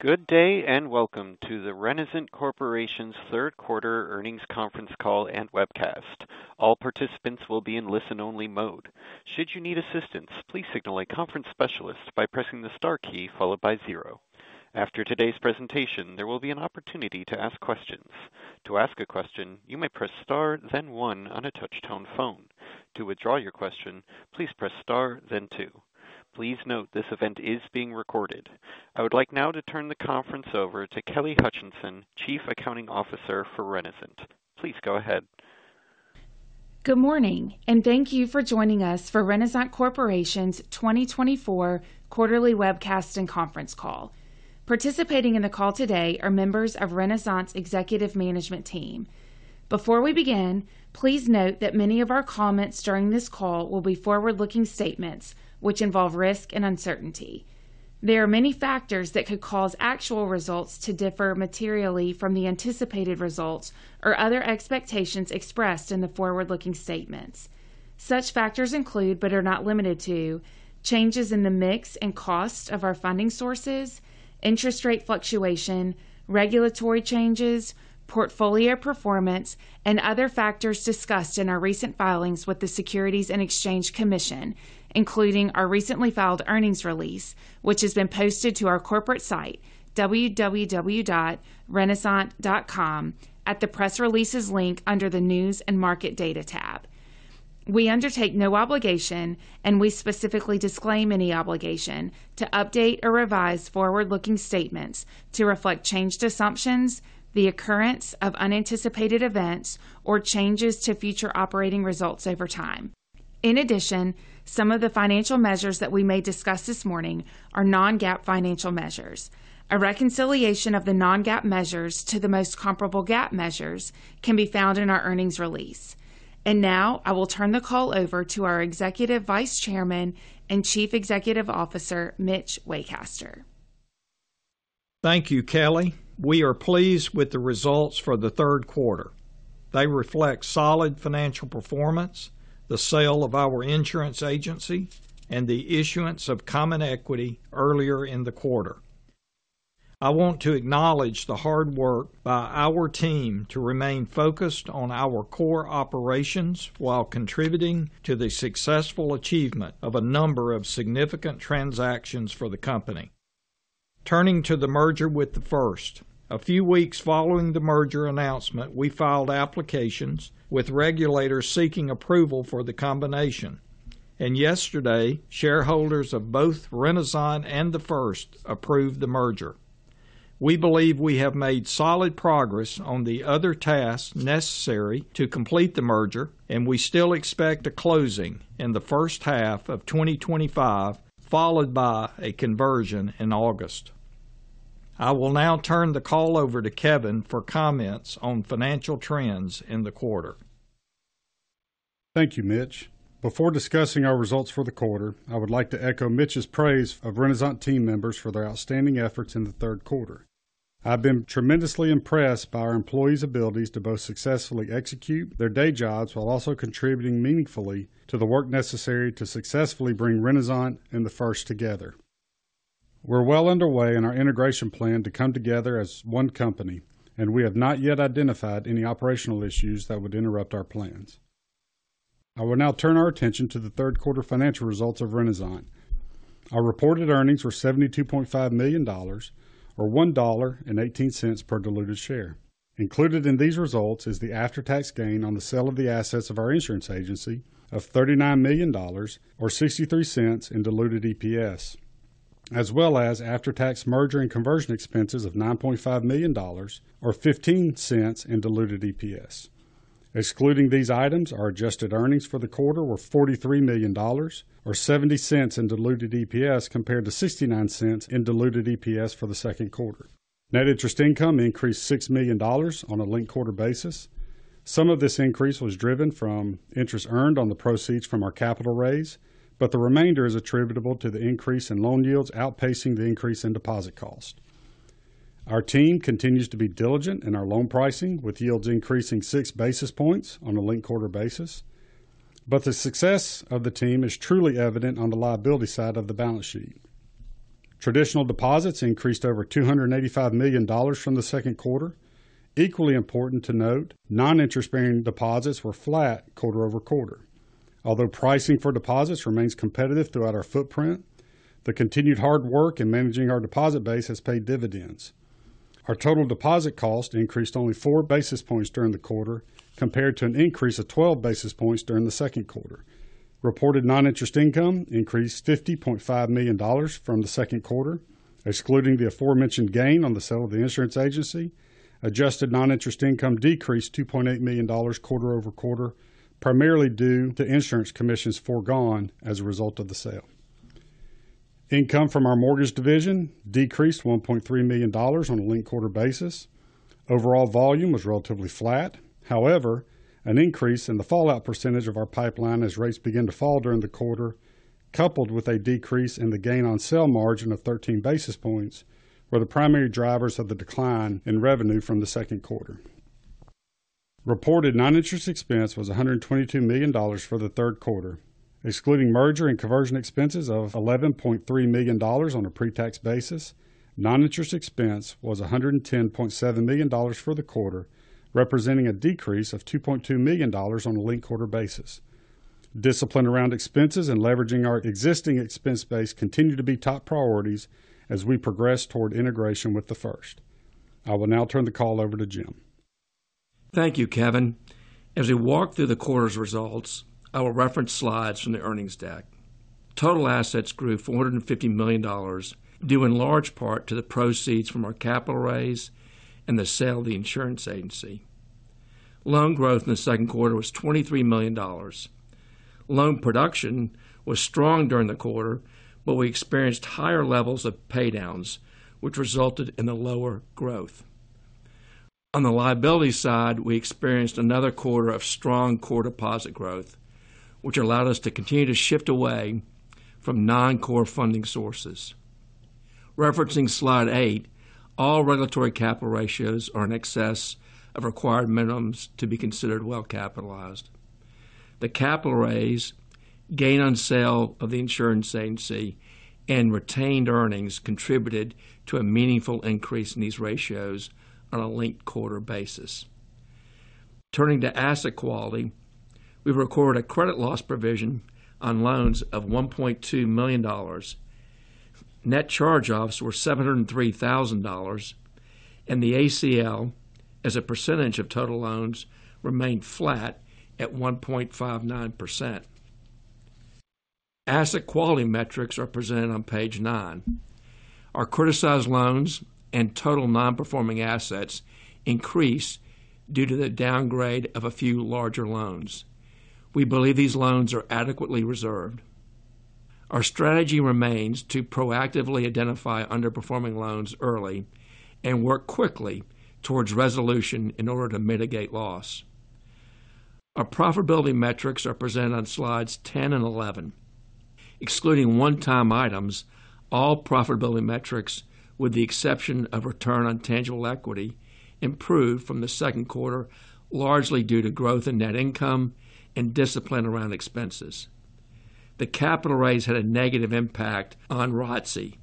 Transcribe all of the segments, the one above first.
Good day, and welcome to the Renasant Corporation's third quarter earnings conference call and webcast. All participants will be in listen-only mode. Should you need assistance, please signal a conference specialist by pressing the star key followed by zero. After today's presentation, there will be an opportunity to ask questions. To ask a question, you may press star, then one on a touchtone phone. To withdraw your question, please press star, then two. Please note, this event is being recorded. I would like now to turn the conference over to Kelly Hutcheson, Chief Accounting Officer for Renasant. Please go ahead. Good morning, and thank you for joining us for Renasant Corporation's 2024 quarterly webcast and conference call. Participating in the call today are members of Renasant's executive management team. Before we begin, please note that many of our comments during this call will be forward-looking statements, which involve risk and uncertainty. There are many factors that could cause actual results to differ materially from the anticipated results or other expectations expressed in the forward-looking statements. Such factors include, but are not limited to, changes in the mix and cost of our funding sources, interest rate fluctuation, regulatory changes, portfolio performance, and other factors discussed in our recent filings with the Securities and Exchange Commission, including our recently filed earnings release, which has been posted to our corporate site, www.renasant.com, at the Press Releases link under the News and Market Data tab. We undertake no obligation, and we specifically disclaim any obligation to update or revise forward-looking statements to reflect changed assumptions, the occurrence of unanticipated events, or changes to future operating results over time. In addition, some of the financial measures that we may discuss this morning are non-GAAP financial measures. A reconciliation of the non-GAAP measures to the most comparable GAAP measures can be found in our earnings release. And now I will turn the call over to our Executive Vice Chairman and Chief Executive Officer, Mitch Waycaster. Thank you, Kelly. We are pleased with the results for the third quarter. They reflect solid financial performance, the sale of our insurance agency, and the issuance of common equity earlier in the quarter. I want to acknowledge the hard work by our team to remain focused on our core operations while contributing to the successful achievement of a number of significant transactions for the company. Turning to the merger with The First, a few weeks following the merger announcement, we filed applications with regulators seeking approval for the combination, and yesterday, shareholders of both Renasant and The First approved the merger. We believe we have made solid progress on the other tasks necessary to complete the merger, and we still expect a closing the first half of 2025, followed by a conversion in August. I will now turn the call over to Kevin for comments on financial trends in the quarter. Thank you, Mitch. Before discussing our results for the quarter, I would like to echo Mitch's praise of Renasant team members for their outstanding efforts in the third quarter. I've been tremendously impressed by our employees' abilities to both successfully execute their day jobs while also contributing meaningfully to the work necessary to successfully bring Renasant and The First together. We're well underway in our integration plan to come together as one company, and we have not yet identified any operational issues that would interrupt our plans. I will now turn our attention to the third quarter financial results of Renasant. Our reported earnings were $72.5 million, or $1.18 per diluted share. Included in these results is the after-tax gain on the sale of the assets of our insurance agency of $39 million, or $0.63 in diluted EPS, as well as after-tax merger and conversion expenses of $9.5 million, or $0.15 in diluted EPS. Excluding these items, our adjusted earnings for the quarter were $43 million, or $0.70 in diluted EPS, compared to $0.69 in diluted EPS for the second quarter. Net interest income increased $6 million on a linked-quarter basis. Some of this increase was driven from interest earned on the proceeds from our capital raise, but the remainder is attributable to the increase in loan yields outpacing the increase in deposit cost. Our team continues to be diligent in our loan pricing, with yields increasing six basis points on a linked-quarter basis. But the success of the team is truly evident on the liability side of the balance sheet. Traditional deposits increased over $285 million from the second quarter. Equally important to note, non-interest-bearing deposits were flat quarter over quarter. Although pricing for deposits remains competitive throughout our footprint, the continued hard work in managing our deposit base has paid dividends. Our total deposit cost increased only four basis points during the quarter, compared to an increase of 12 basis points during the second quarter. Reported non-interest income increased $50.5 million from the second quarter, excluding the aforementioned gain on the sale of the insurance agency. Adjusted non-interest income decreased $2.8 million quarter over quarter, primarily due to insurance commissions forgone as a result of the sale. Income from our mortgage division decreased $1.3 million on a linked-quarter basis. Overall volume was relatively flat. However, an increase in the fallout percentage of our pipeline as rates began to fall during the quarter, coupled with a decrease in the gain on sale margin of 13 basis points, were the primary drivers of the decline in revenue from the second quarter. ... Reported non-interest expense was $122 million for the third quarter, excluding merger and conversion expenses of $11.3 million on a pre-tax basis. Non-interest expense was $110.7 million for the quarter, representing a decrease of $2.2 million on a linked quarter basis. Discipline around expenses and leveraging our existing expense base continue to be top priorities as we progress toward integration with The First. I will now turn the call over to Jim. Thank you, Kevin. As we walk through the quarter's results, I will reference slides from the earnings deck. Total assets grew $450 million, due in large part to the proceeds from our capital raise and the sale of the insurance agency. Loan growth in the second quarter was $23 million. Loan production was strong during the quarter, but we experienced higher levels of paydowns, which resulted in a lower growth. On the liability side, we experienced another quarter of strong core deposit growth, which allowed us to continue to shift away from non-core funding sources. Referencing Slide 8, all regulatory capital ratios are in excess of required minimums to be considered well capitalized. The capital raise, gain on sale of the insurance agency, and retained earnings contributed to a meaningful increase in these ratios on a linked-quarter basis. Turning to asset quality, we recorded a credit loss provision on loans of $1.2 million. Net charge-offs were $703,000, and the ACL, as a percentage of total loans, remained flat at 1.59%. Asset quality metrics are presented on page 9. Our criticized loans and total non-performing assets increased due to the downgrade of a few larger loans. We believe these loans are adequately reserved. Our strategy remains to proactively identify underperforming loans early and work quickly towards resolution in order to mitigate loss. Our profitability metrics are presented on slides 10 and 11. Excluding one-time items, all profitability metrics, with the exception of return on tangible equity, improved from the second quarter, largely due to growth in net income and discipline around expenses. The capital raise had a negative impact on ROTCE.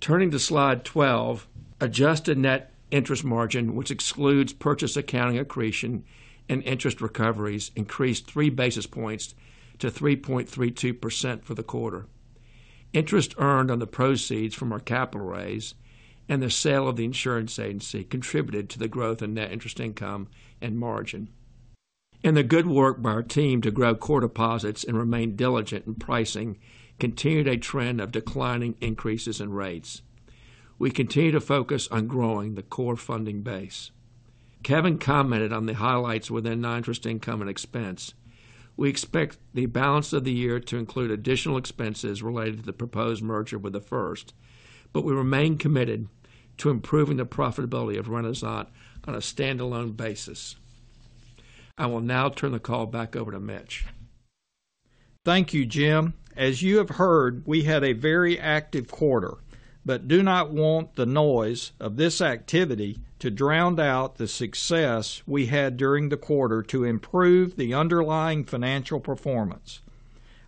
Turning to slide 12, adjusted net interest margin, which excludes purchase accounting accretion and interest recoveries, increased three basis points to 3.32% for the quarter. Interest earned on the proceeds from our capital raise and the sale of the insurance agency contributed to the growth in net interest income and margin. And the good work by our team to grow core deposits and remain diligent in pricing continued a trend of declining increases in rates. We continue to focus on growing the core funding base. Kevin commented on the highlights within non-interest income and expense. We expect the balance of the year to include additional expenses related to the proposed merger with The First, but we remain committed to improving the profitability of Renasant on a standalone basis. I will now turn the call back over to Mitch. Thank you, Jim. As you have heard, we had a very active quarter, but do not want the noise of this activity to drown out the success we had during the quarter to improve the underlying financial performance.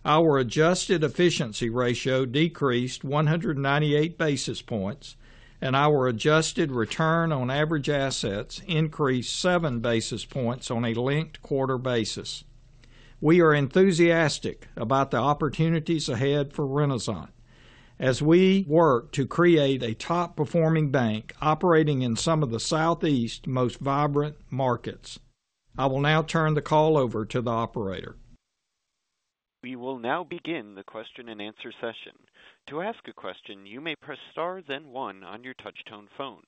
Our adjusted efficiency ratio decreased 198 basis points, and our adjusted return on average assets increased 7 basis points on a linked quarter basis. We are enthusiastic about the opportunities ahead for Renasant as we work to create a top-performing bank operating in some of the Southeast's most vibrant markets. I will now turn the call over to the operator. We will now begin the question and answer session. To ask a question, you may press star, then one on your touchtone phone.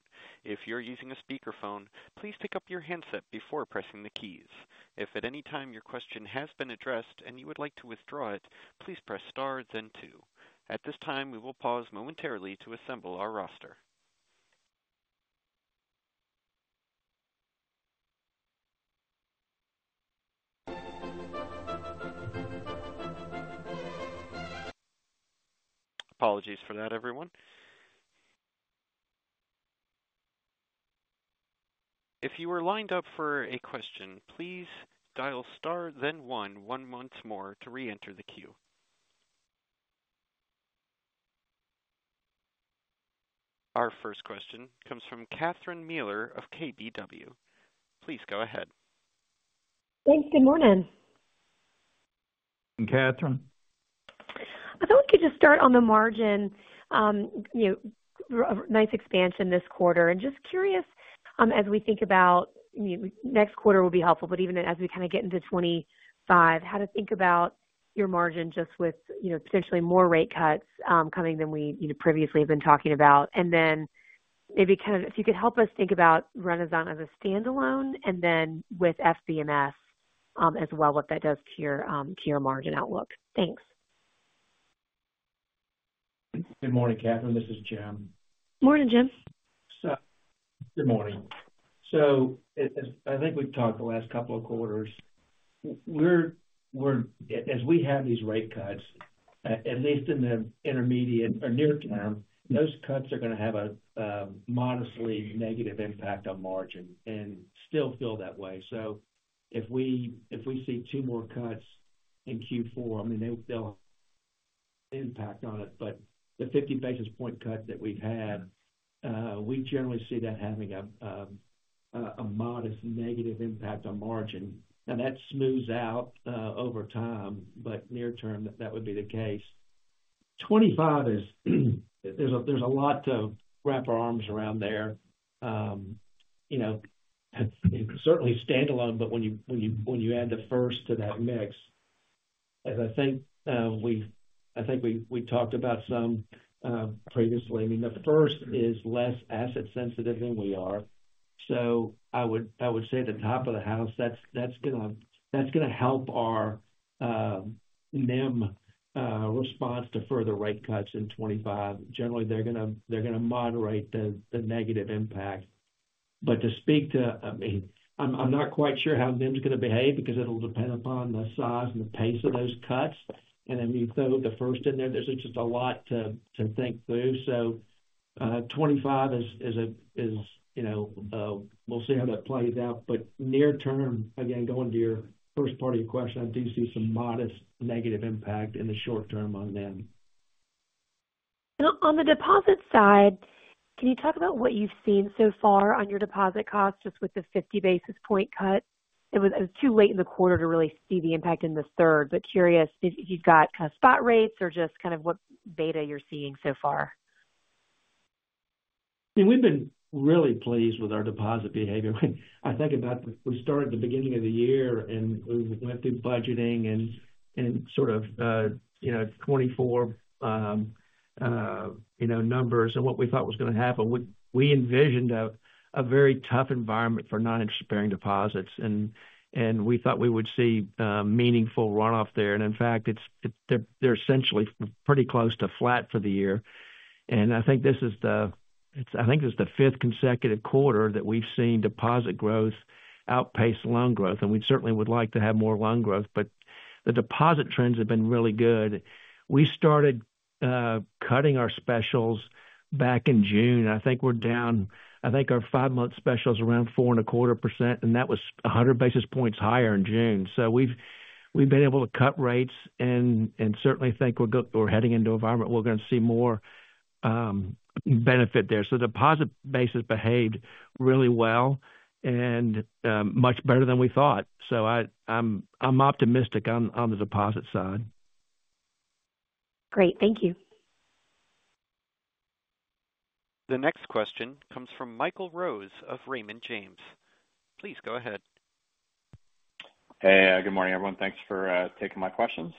If you're using a speakerphone, please pick up your handset before pressing the keys. If at any time your question has been addressed and you would like to withdraw it, please press star, then two. At this time, we will pause momentarily to assemble our roster. Apologies for that, everyone. If you were lined up for a question, please dial star, then one, one once more to reenter the queue. Our first question comes from Catherine Mealor of KBW. Please go ahead. Thanks. Good morning. Catherine? I thought we could just start on the margin. You know, a nice expansion this quarter, and just curious, as we think about, you know, next quarter will be helpful, but even as we kind of get into 2025, how to think about your margin just with, you know, potentially more rate cuts, coming than we previously have been talking about. And then maybe kind of if you could help us think about Renasant as a standalone and then with FBMS, as well, what that does to your margin outlook. Thanks. Good morning, Catherine. This is Jim. Morning, Jim. So good morning. So as I think we've talked the last couple of quarters.... We're as we have these rate cuts, at least in the intermediate or near term, those cuts are gonna have a modestly negative impact on margin and still feel that way. So if we see two more cuts in Q4, I mean, they'll impact on it. But the fifty basis point cut that we've had, we generally see that having a modest negative impact on margin, and that smooths out over time, but near term, that would be the case. Twenty-five is, there's a lot to wrap our arms around there. You know, certainly standalone, but when you add The First to that mix, as I think we I think we talked about some previously, I mean, The First is less asset sensitive than we are. So I would say at the top of the house, that's gonna help our NIM response to further rate cuts in twenty-five. Generally, they're gonna moderate the negative impact. But to speak to, I mean, I'm not quite sure how NIM is gonna behave because it'll depend upon the size and the pace of those cuts. And then you throw The First in there, there's just a lot to think through. So twenty-five is, you know, we'll see how that plays out. But near term, again, going to your first part of your question, I do see some modest negative impact in the short term on NIM. On the deposit side, can you talk about what you've seen so far on your deposit costs, just with the fifty basis point cut? It was too late in the quarter to really see the impact in the third, but curious if you've got spot rates or just kind of what data you're seeing so far. I mean, we've been really pleased with our deposit behavior. I think about we started the beginning of the year, and we went through budgeting and sort of, you know, 2024 numbers and what we thought was gonna happen. We envisioned a very tough environment for non-interest bearing deposits, and we thought we would see meaningful runoff there. In fact, they're essentially pretty close to flat for the year. I think it's the fifth consecutive quarter that we've seen deposit growth outpace loan growth, and we certainly would like to have more loan growth, but the deposit trends have been really good. We started cutting our specials back in June. I think we're down. I think our five-month special is around 4.25%, and that was 100 basis points higher in June. So we've been able to cut rates and certainly think we're heading into environment. We're gonna see more benefit there. So deposit basis behaved really well and much better than we thought. So I'm optimistic on the deposit side. Great. Thank you. The next question comes from Michael Rose of Raymond James. Please go ahead. Hey, good morning, everyone. Thanks for taking my questions.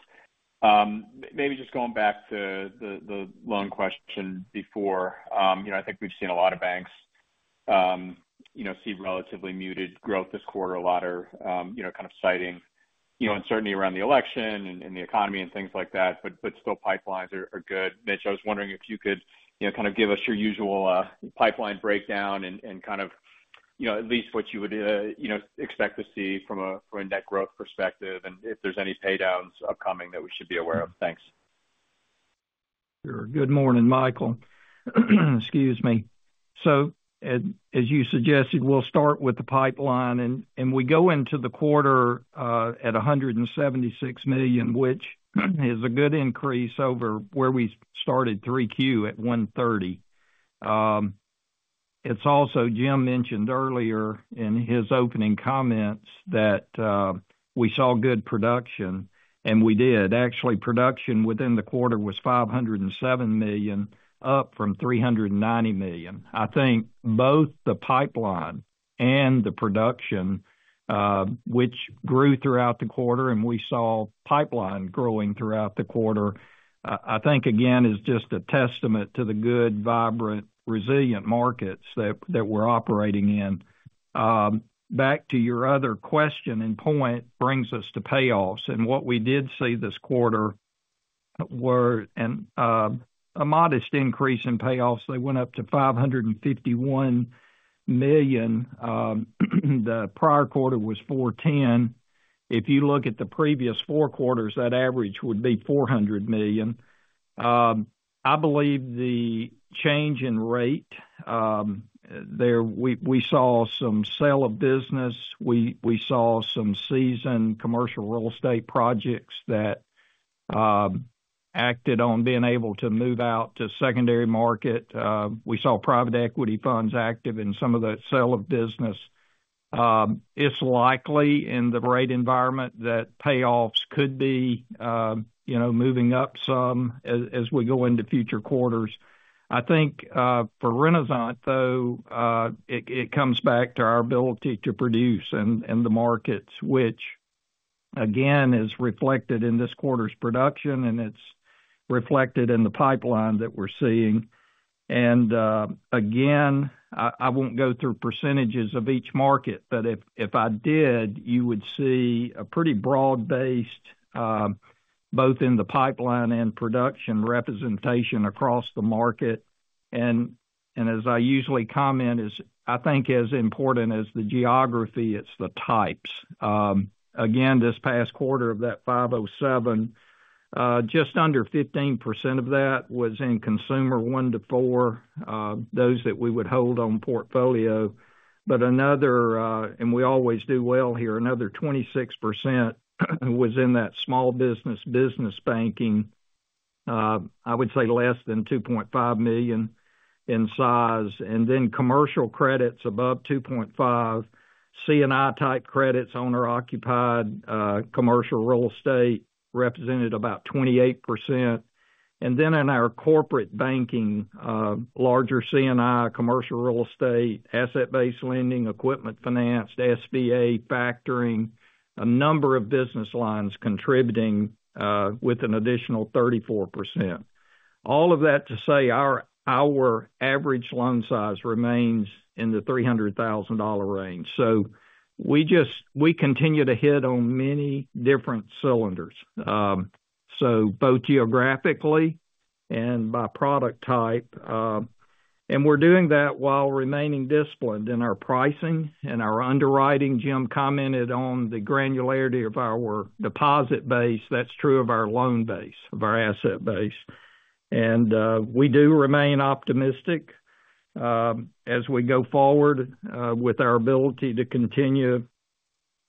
Maybe just going back to the loan question before. You know, I think we've seen a lot of banks see relatively muted growth this quarter. A lot are kind of citing uncertainty around the election and the economy and things like that, but still pipelines are good. Mitch, I was wondering if you could kind of give us your usual pipeline breakdown and kind of at least what you would expect to see from a net growth perspective, and if there's any paydowns upcoming that we should be aware of. Thanks. Sure. Good morning, Michael. Excuse me. So as you suggested, we'll start with the pipeline, and we go into the quarter at $176 million, which is a good increase over where we started 3Q at $130 million. It's also, Jim mentioned earlier in his opening comments that we saw good production, and we did. Actually, production within the quarter was $507 million, up from $390 million. I think both the pipeline and the production, which grew throughout the quarter, and we saw pipeline growing throughout the quarter, I think, again, is just a testament to the good, vibrant, resilient markets that we're operating in. Back to your other question and point brings us to payoffs, and what we did see this quarter were a modest increase in payoffs. They went up to $551 million. The prior quarter was $410 million. If you look at the previous four quarters, that average would be $400 million. I believe the change in rate, there, we saw some sale of business. We saw some seasoned commercial real estate projects that acted on being able to move out to secondary market. We saw private equity funds active in some of the sale of business. It's likely in the rate environment that payoffs could be, you know, moving up some as we go into future quarters. I think for Renasant, though, it comes back to our ability to produce and the markets, which again is reflected in this quarter's production, and it's reflected in the pipeline that we're seeing. Again, I won't go through percentages of each market, but if I did, you would see a pretty broad-based both in the pipeline and production representation across the market. As I usually comment, I think as important as the geography, it's the types. Again, this past quarter of that 507, just under 15% of that was in consumer 1-4, those that we would hold on portfolio. But another, and we always do well here, another 26% was in that small business, business banking. I would say less than $2.5 million in size, and then commercial credits above $2.5 million, C&I type credits, owner-occupied commercial real estate, represented about 28%. And then in our corporate banking, larger C&I, commercial real estate, asset-based lending, equipment finance, SBA factoring, a number of business lines contributing, with an additional 34%. All of that to say our average loan size remains in the $300,000 range. So we just we continue to hit on many different cylinders. So both geographically and by product type, and we're doing that while remaining disciplined in our pricing and our underwriting. Jim commented on the granularity of our deposit base. That's true of our loan base, of our asset base. And we do remain optimistic, as we go forward, with our ability to continue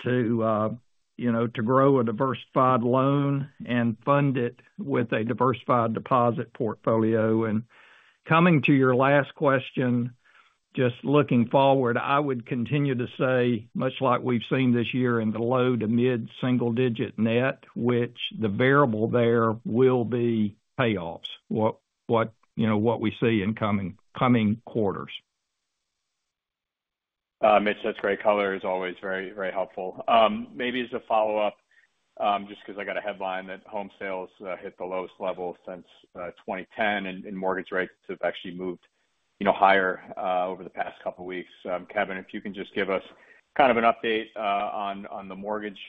to, you know, to grow a diversified loan and fund it with a diversified deposit portfolio. Coming to your last question, just looking forward, I would continue to say, much like we've seen this year in the low- to mid-single-digit net, which the variable there will be payoffs, what, you know, what we see in coming quarters. Mitch, that's great color. It's always very, very helpful. Maybe as a follow-up, just because I got a headline that home sales hit the lowest level since twenty ten, and mortgage rates have actually moved, you know, higher over the past couple of weeks. Kevin, if you can just give us kind of an update on the mortgage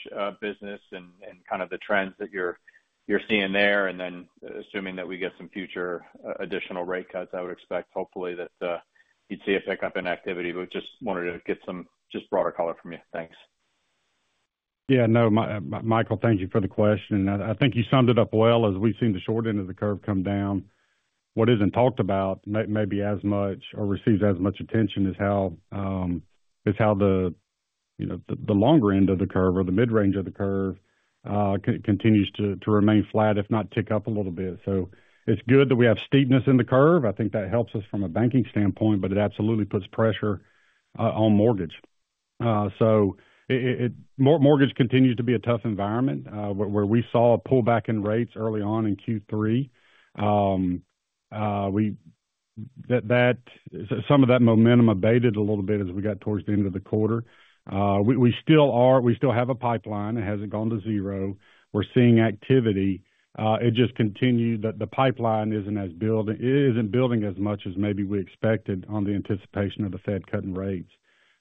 business and kind of the trends that you're seeing there, and then assuming that we get some future additional rate cuts, I would expect hopefully that you'd see a pickup in activity. We just wanted to get some just broader color from you. Thanks. Yeah, no, Michael, thank you for the question. I think you summed it up well, as we've seen the short end of the curve come down. What isn't talked about maybe as much or receives as much attention is how, you know, the longer end of the curve or the mid-range of the curve continues to remain flat, if not tick up a little bit. So it's good that we have steepness in the curve. I think that helps us from a banking standpoint, but it absolutely puts pressure on mortgage. So mortgage continues to be a tough environment where we saw a pullback in rates early on in Q3. That, so some of that momentum abated a little bit as we got towards the end of the quarter. We still have a pipeline. It hasn't gone to zero. We're seeing activity. It just continued that the pipeline isn't building as much as maybe we expected on the anticipation of the Fed cutting rates.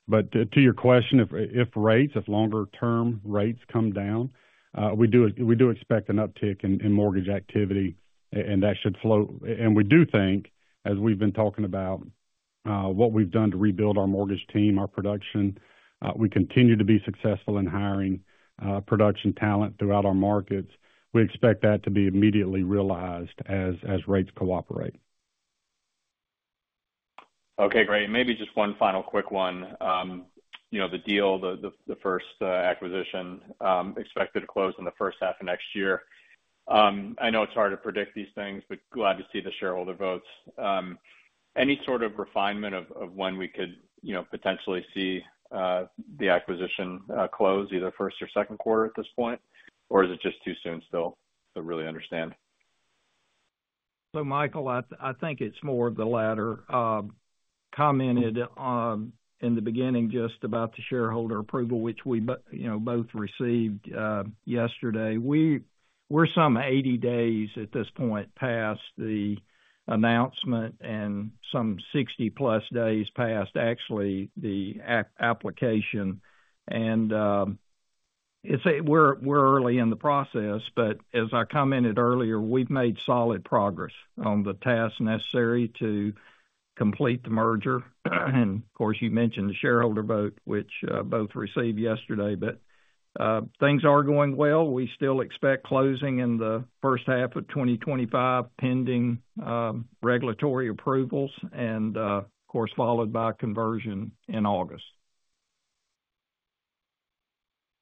But to your question, if longer-term rates come down, we do expect an uptick in mortgage activity, and that should flow. And we do think, as we've been talking about, what we've done to rebuild our mortgage team, our production, we continue to be successful in hiring production talent throughout our markets. We expect that to be immediately realized as rates cooperate. Okay, great. Maybe just one final quick one. You know, the deal, The First acquisition expected to close the first half of next year. I know it's hard to predict these things, but glad to see the shareholder votes. Any sort of refinement of when we could, you know, potentially see the acquisition close, either first or second quarter at this point? Or is it just too soon still to really understand? So, Michael, I think it's more of the latter. Commented in the beginning, just about the shareholder approval, which we both received yesterday. We're some eighty days at this point, past the announcement and some sixty-plus days past, actually, the application. And we're early in the process, but as I commented earlier, we've made solid progress on the tasks necessary to complete the merger. And, of course, you mentioned the shareholder vote, which both received yesterday, but things are going well. We still expect closing the first half of twenty twenty-five, pending regulatory approvals, and, of course, followed by a conversion in August.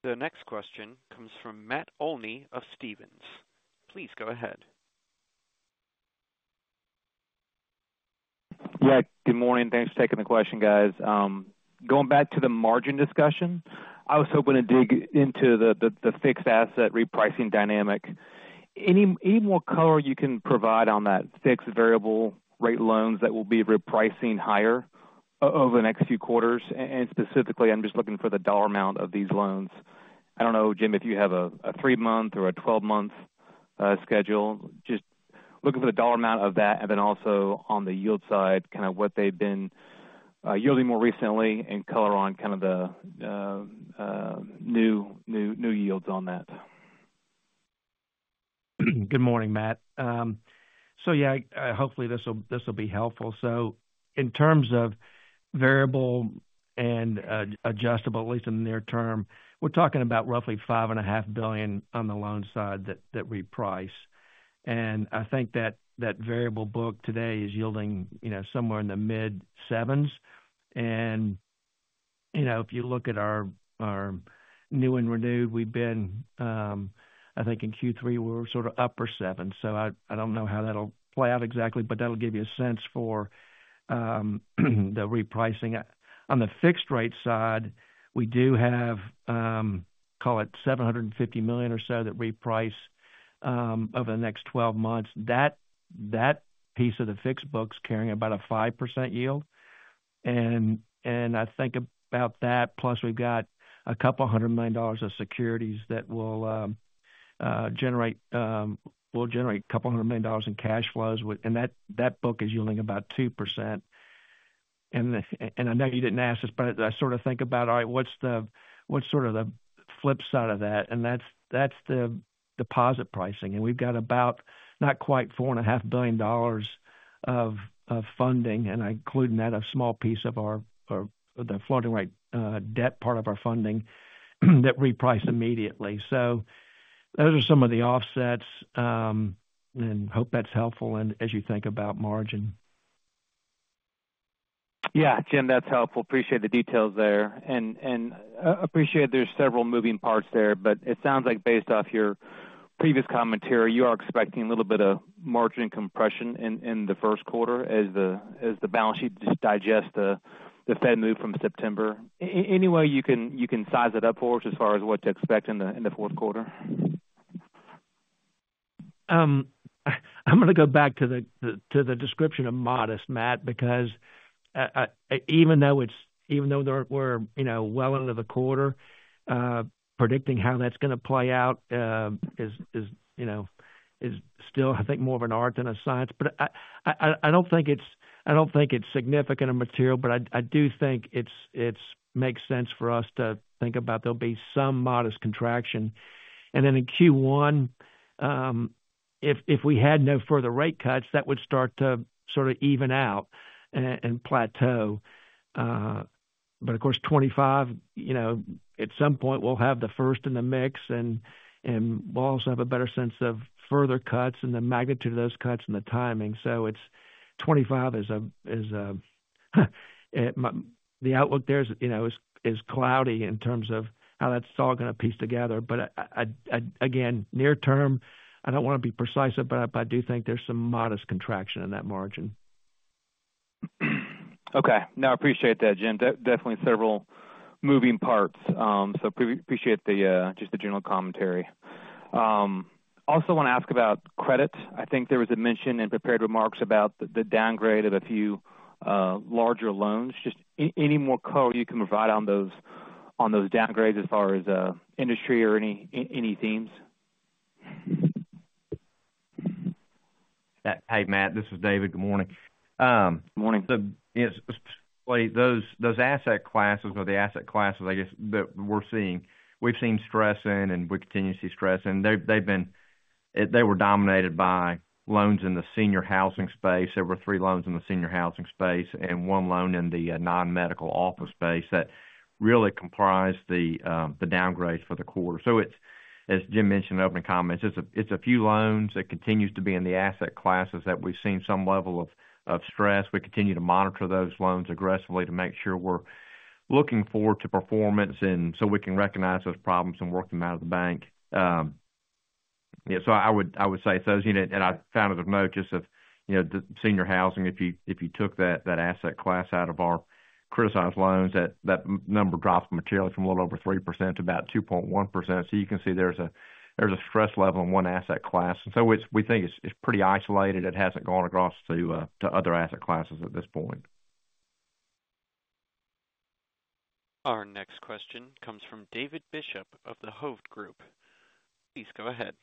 The next question comes from Matt Olney of Stephens. Please go ahead. Yeah, good morning. Thanks for taking the question, guys. Going back to the margin discussion, I was hoping to dig into the fixed asset repricing dynamic. Any more color you can provide on that fixed variable rate loans that will be repricing higher over the next few quarters? And specifically, I'm just looking for the dollar amount of these loans. I don't know, Jim, if you have a three-month or a twelve-month schedule. Just looking for the dollar amount of that, and then also on the yield side, kind of what they've been yielding more recently and color on kind of the new yields on that. Good morning, Matt. So yeah, hopefully this will be helpful. So in terms of variable and adjustable, at least in the near term, we're talking about roughly $5.5 billion on the loan side that reprice. And I think that variable book today is yielding, you know, somewhere in the mid-sevens. And, you know, if you look at our new and renewed, we've been, I think in Q3, we're sort of upper sevens. So I don't know how that'll play out exactly, but that'll give you a sense for the repricing. On the fixed rate side, we do have, call it $750 million or so that reprice over the next twelve months. That piece of the fixed book is carrying about a 5% yield. And I think about that, plus we've got $200 million of securities that will generate $200 million in cash flows. And that book is yielding about 2%. And I know you didn't ask this, but I sort of think about, all right, what's sort of the flip side of that? And that's the deposit pricing. And we've got about, not quite $4.5 billion of funding, and I include in that a small piece of our floating rate debt, part of our funding, that reprice immediately. So those are some of the offsets, and hope that's helpful and as you think about margin. Yeah, Jim, that's helpful. Appreciate the details there, and appreciate there's several moving parts there, but it sounds like based off your previous commentary, you are expecting a little bit of margin compression in The First quarter as the balance sheet just digests the Fed move from September. Any way you can size it up for us as far as what to expect in the fourth quarter? I'm gonna go back to the description of modest, Matt, because even though we're, you know, well into the quarter, predicting how that's gonna play out is, you know, is still, I think, more of an art than a science. But I don't think it's significant or material, but I do think it's makes sense for us to think about there'll be some modest contraction. And then in Q1, if we had no further rate cuts, that would start to sort of even out and plateau. But of course, 2025, you know, at some point, we'll have The First in the mix, and we'll also have a better sense of further cuts and the magnitude of those cuts and the timing. So it's... 25, the outlook there is, you know, cloudy in terms of how that's all gonna piece together. But I again, near term, I don't want to be precise, but I do think there's some modest contraction in that margin. Okay. No, I appreciate that, Jim. Definitely several moving parts. So appreciate the just the general commentary. Also want to ask about credit. I think there was a mention in prepared remarks about the downgrade of a few larger loans. Just any more color you can provide on those downgrades as far as industry or any themes? Hey, Matt, this is David. Good morning. Good morning. So, yes, specifically, those asset classes or the asset classes, I guess, that we're seeing, we've seen stressing and we continue to see stressing. They were dominated by loans in the senior housing space. There were three loans in the senior housing space and one loan in the non-medical office space. That really comprised the downgrades for the quarter. As Jim mentioned in opening comments, it's a few loans that continues to be in the asset classes that we've seen some level of stress. We continue to monitor those loans aggressively to make sure we're looking forward to performance, and so we can recognize those problems and work them out of the bank. Yeah, so I would say those, you know, and I found of note, just of, you know, the senior housing, if you took that asset class out of our criticized loans, that number drops materially from a little over 3% to about 2.1%. So you can see there's a stress level in one asset class. So it's, we think it's pretty isolated. It hasn't gone across to other asset classes at this point. Our next question comes from David Bishop of the Hovde Group. Please go ahead.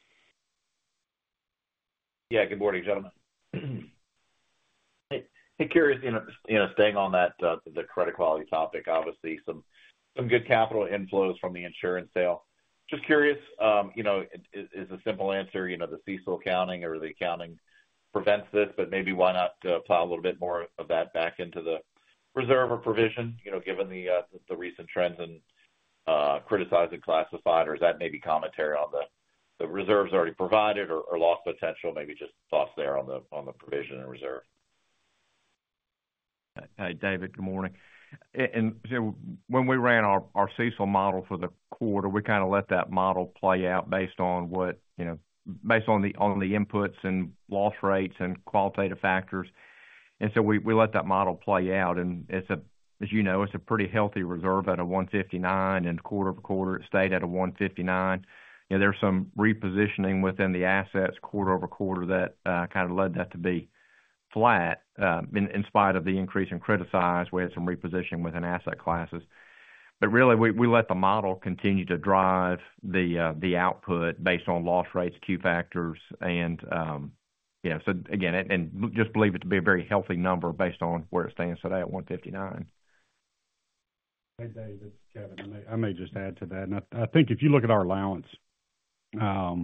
Yeah, good morning, gentlemen. Hey, curious, you know, staying on that, the credit quality topic, obviously some good capital inflows from the insurance sale. Just curious, you know, it's a simple answer, you know, the CECL accounting or the accounting prevents this, but maybe why not, plow a little bit more of that back into the reserve or provision, you know, given the recent trends and criticized, classified, or is that maybe commentary on the reserves already provided or loss potential? Maybe just thoughts there on the provision and reserve. Hey, David, good morning. And so when we ran our CECL model for the quarter, we kind of let that model play out based on what, you know, based on the inputs and loss rates and qualitative factors. And so we let that model play out, and it's, as you know, it's a pretty healthy reserve at 1.59, and quarter over quarter, it stayed at 1.59. You know, there's some repositioning within the assets quarter over quarter that kind of led that to be flat. In spite of the increase in criticized, we had some repositioning within asset classes.... But really, we let the model continue to drive the output based on loss rates, Q factors, and, you know, so again, and just believe it to be a very healthy number based on where it stands today at 1.59. Hey, Dave, it's Kevin. I may just add to that. I think if you look at our allowance, I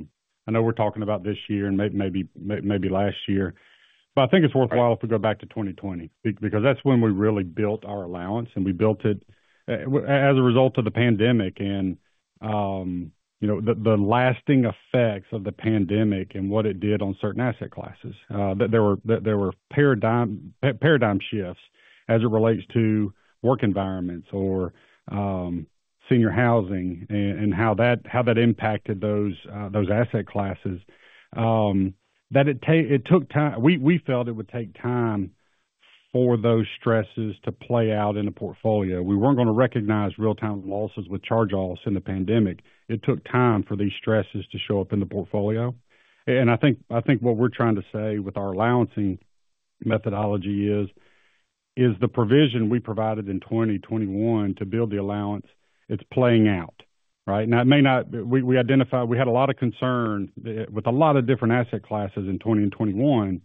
know we're talking about this year and maybe last year, but I think it's worthwhile if we go back to twenty twenty, because that's when we really built our allowance, and we built it as a result of the pandemic. You know, the lasting effects of the pandemic and what it did on certain asset classes, that there were paradigm shifts as it relates to work environments or senior housing and how that impacted those asset classes. That it took time. We felt it would take time for those stresses to play out in the portfolio. We weren't gonna recognize real-time losses with charge-offs in the pandemic. It took time for these stresses to show up in the portfolio, and I think what we're trying to say with our allowancing methodology is the provision we provided in twenty twenty-one to build the allowance, it's playing out, right? Now, it may not. We identified. We had a lot of concern with a lot of different asset classes in 2020 and 2021,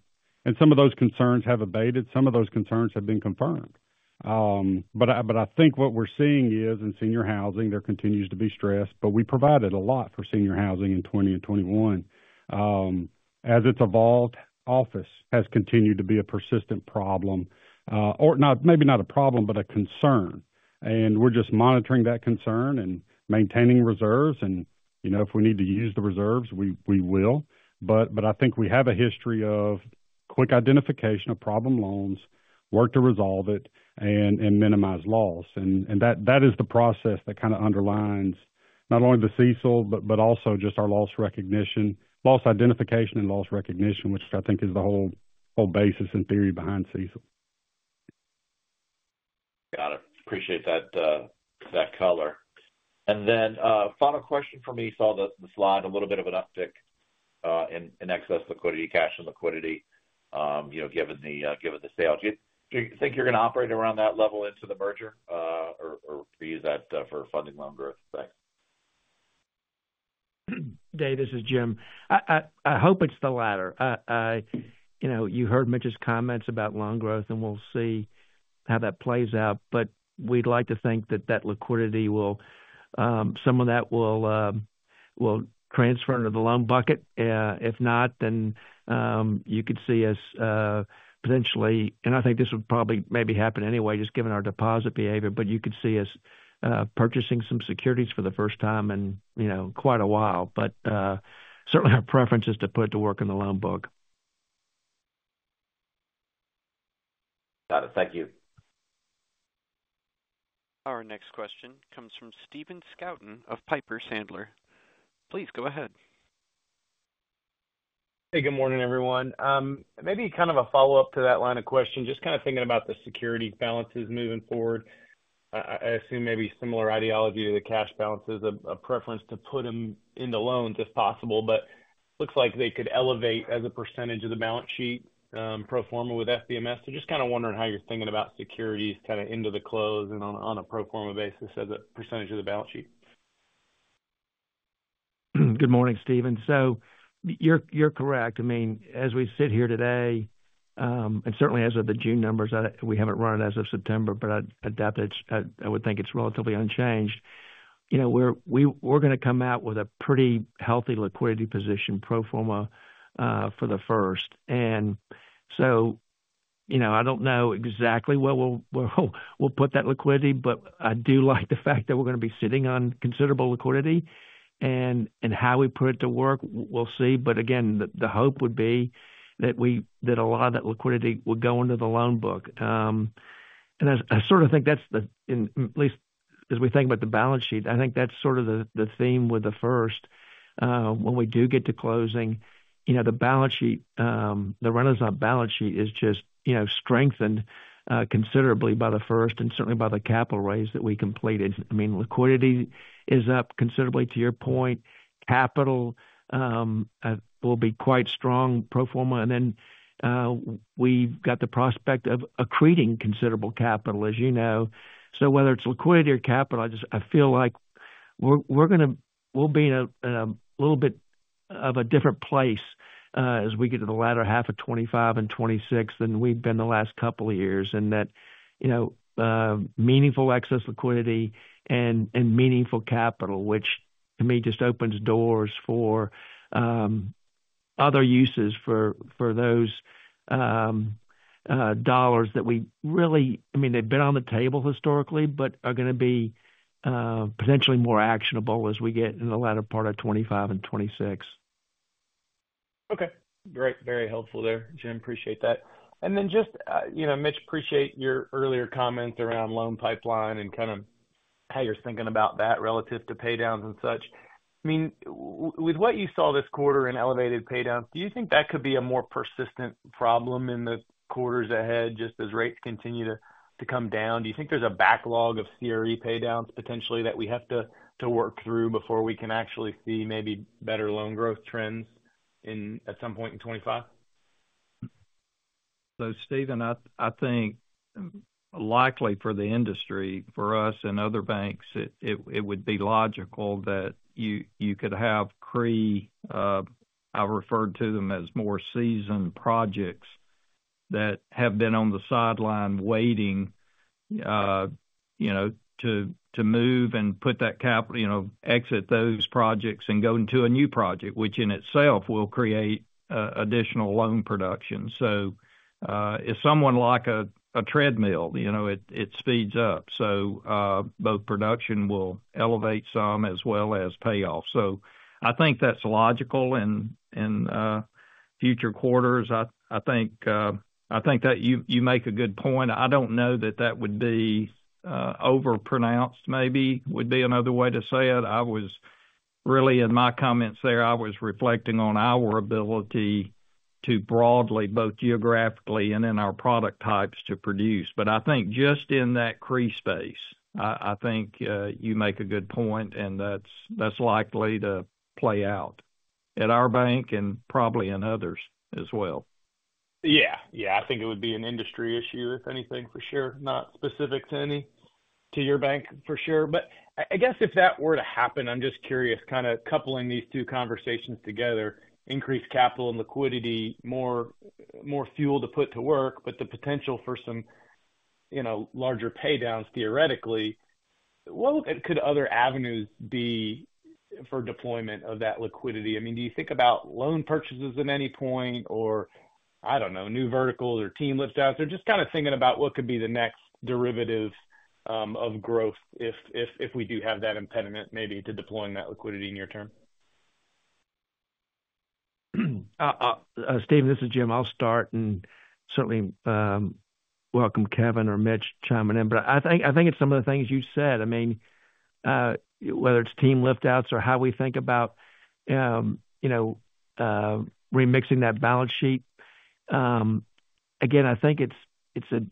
and some of those concerns have abated, some of those concerns have been confirmed. But I think what we're seeing is, in senior housing, there continues to be stress, but we provided a lot for senior housing in 2020 and 2021. As it's evolved, office has continued to be a persistent problem, or not, maybe not a problem, but a concern. And we're just monitoring that concern and maintaining reserves, and, you know, if we need to use the reserves, we will. But I think we have a history of quick identification of problem loans, work to resolve it, and minimize loss. That is the process that kind of underlines not only the CECL, but also just our loss recognition, loss identification and loss recognition, which I think is the whole basis and theory behind CECL. Got it. Appreciate that, that color. And then, final question for me. Saw the slide, a little bit of an uptick in excess liquidity, cash and liquidity, you know, given the sale. Do you think you're gonna operate around that level into the merger, or use that for funding loan growth? Thanks. Dave, this is Jim. I hope it's the latter. You know, you heard Mitch's comments about loan growth, and we'll see how that plays out. But we'd like to think that that liquidity will, some of that will, will transfer into the loan bucket. If not, then you could see us potentially, and I think this would probably maybe happen anyway, just given our deposit behavior, but you could see us purchasing some securities the first time in, you know, quite a while. But certainly our preference is to put it to work in the loan book. Got it. Thank you. Our next question comes from Steven Scouten of Piper Sandler. Please go ahead. Hey, good morning, everyone. Maybe kind of a follow-up to that line of questioning. Just kind of thinking about the security balances moving forward. I assume maybe similar ideology to the cash balances, a preference to put them into loans if possible, but looks like they could elevate as a percentage of the balance sheet, pro forma with FBMS. So just kind of wondering how you're thinking about securities kind of into the close and on a pro forma basis as a percentage of the balance sheet. Good morning, Steven. So you're correct. I mean, as we sit here today, and certainly as of the June numbers, we haven't run it as of September, but I'd adapt it. I would think it's relatively unchanged. You know, we're gonna come out with a pretty healthy liquidity position, pro forma for The First. And so, you know, I don't know exactly where we'll put that liquidity, but I do like the fact that we're gonna be sitting on considerable liquidity, and how we put it to work, we'll see. But again, the hope would be that a lot of that liquidity will go into the loan book. And I sort of think that's the... In at least as we think about the balance sheet, I think that's sort of the theme with The First. When we do get to closing, you know, the balance sheet, the Renasant balance sheet is just, you know, strengthened considerably by The First and certainly by the capital raise that we completed. I mean, liquidity is up considerably, to your point. Capital will be quite strong, pro forma, and then we've got the prospect of accreting considerable capital, as you know. So whether it's liquidity or capital, I just feel like we'll be in a little bit of a different place as we get to the latter half of twenty-five and twenty-six than we've been the last couple of years. That, you know, meaningful excess liquidity and meaningful capital, which to me just opens doors for other uses for those dollars that we really, I mean, they've been on the table historically, but are gonna be potentially more actionable as we get in the latter part of 2025 and 2026. Okay. Great. Very helpful there, Jim. Appreciate that. And then just, you know, Mitch, appreciate your earlier comments around loan pipeline and kind of how you're thinking about that relative to paydowns and such. I mean, with what you saw this quarter in elevated paydowns, do you think that could be a more persistent problem in the quarters ahead, just as rates continue to come down? Do you think there's a backlog of CRE paydowns, potentially, that we have to work through before we can actually see maybe better loan growth trends in at some point in twenty-five?... So, Steven, I think likely for the industry, for us and other banks, it would be logical that you could have CRE. I referred to them as more seasoned projects that have been on the sideline waiting, you know, to move and put that capital, you know, exit those projects and go into a new project, which in itself will create additional loan production. So, if someone like a treadmill, you know, it speeds up. So, both production will elevate some as well as payoff. So I think that's logical and future quarters, I think that you make a good point. I don't know that that would be overpronounced. Maybe would be another way to say it. I was really, in my comments there, I was reflecting on our ability to broadly, both geographically and in our product types, to produce. But I think just in that CRE space, you make a good point, and that's likely to play out at our bank and probably in others as well. Yeah. Yeah, I think it would be an industry issue, if anything, for sure. Not specific to any, to your bank, for sure. But I, I guess if that were to happen, I'm just curious, kinda coupling these two conversations together, increase capital and liquidity, more, more fuel to put to work, but the potential for some, you know, larger paydowns, theoretically, what could other avenues be for deployment of that liquidity? I mean, do you think about loan purchases at any point, or, I don't know, new verticals or team lift outs? They're just kinda thinking about what could be the next derivative, of growth if, if, if we do have that impediment maybe to deploying that liquidity near term. Steven, this is Jim. I'll start, and certainly, welcome Kevin or Mitch chiming in. But I think, I think it's some of the things you said. I mean, whether it's team lift outs or how we think about, you know, remixing that balance sheet. Again, I think it's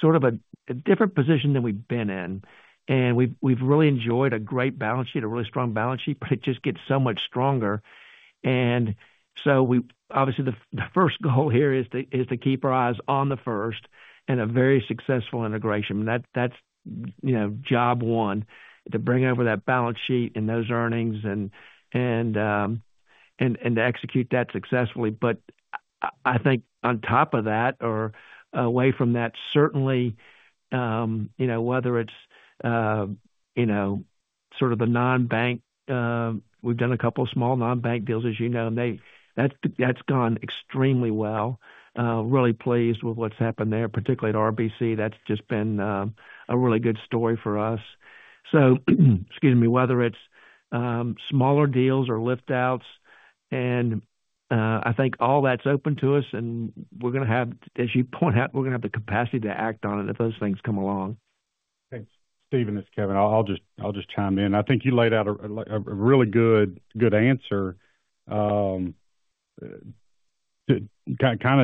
sort of a different position than we've been in, and we've really enjoyed a great balance sheet, a really strong balance sheet, but it just gets so much stronger. And so the first goal here is to keep our eyes on The First and a very successful integration. That's you know, job one, to bring over that balance sheet and those earnings and to execute that successfully. But I, I think on top of that or away from that, certainly, you know, whether it's, you know, sort of the non-bank, we've done a couple of small non-bank deals, as you know, and that's, that's gone extremely well. Really pleased with what's happened there, particularly at RBC. That's just been, a really good story for us. So, excuse me, whether it's, smaller deals or lift outs, and, I think all that's open to us, and we're gonna have, as you point out, we're gonna have the capacity to act on it if those things come along. Thanks, Steven, it's Kevin. I'll just chime in. I think you laid out a really good answer. Kinda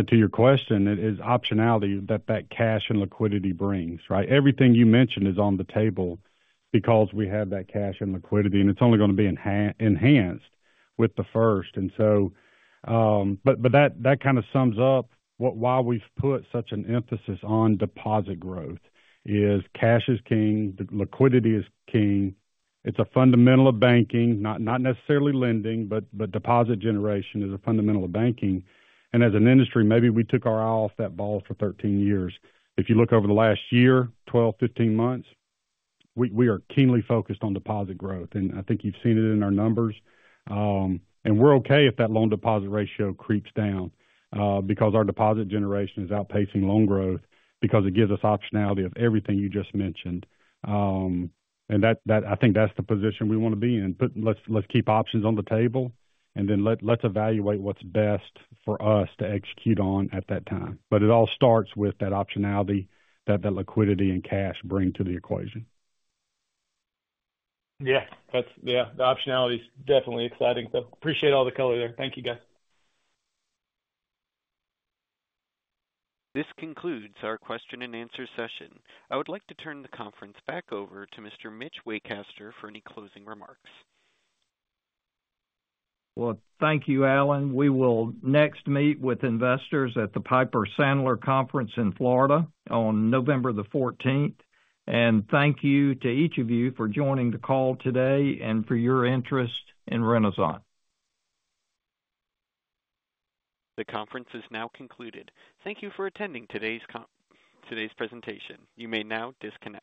to your question, it is optionality that cash and liquidity brings, right? Everything you mentioned is on the table because we have that cash and liquidity, and it's only gonna be enhanced with The First. And so, but that kinda sums up what why we've put such an emphasis on deposit growth is cash is king, liquidity is king. It's a fundamental of banking, not necessarily lending, but deposit generation is a fundamental of banking. And as an industry, maybe we took our eye off that ball for 13 years. If you look over the last year, 12, 15 months, we are keenly focused on deposit growth, and I think you've seen it in our numbers. And we're okay if that loan deposit ratio creeps down, because our deposit generation is outpacing loan growth because it gives us optionality of everything you just mentioned. And that, I think that's the position we wanna be in. But let's keep options on the table, and then let's evaluate what's best for us to execute on at that time. But it all starts with that optionality that the liquidity and cash bring to the equation. Yeah, that's... Yeah, the optionality is definitely exciting, so appreciate all the color there. Thank you, guys. This concludes our question and answer session. I would like to turn the conference back over to Mr. Mitch Waycaster for any closing remarks. Well, thank you, Alan. We will next meet with investors at the Piper Sandler conference in Florida on November the 14th. And thank you to each of you for joining the call today and for your interest in Renasant. The conference is now concluded. Thank you for attending today's presentation. You may now disconnect.